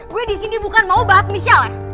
gue disini bukan mau bahas misal ya